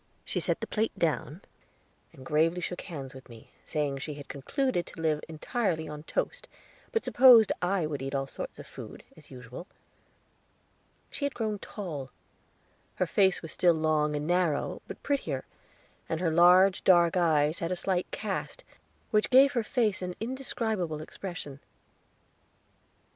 She set the plate down, and gravely shook hands with me, saying she had concluded to live entirely on toast, but supposed I would eat all sorts of food, as usual. She had grown tall; her face was still long and narrow, but prettier, and her large, dark eyes had a slight cast, which gave her face an indescribable expression.